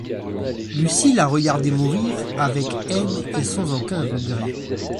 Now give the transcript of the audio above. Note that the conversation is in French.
Lucy l'a regardé mourir avec haine et sans aucun regret.